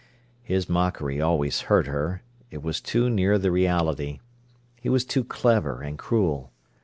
His mockery always hurt her; it was too near the reality. He was too clever and cruel.